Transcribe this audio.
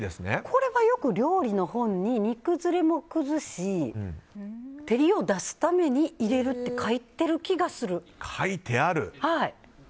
これはよく料理の本に煮崩れも防ぐし照りを出すために入れるって書いてる気がする。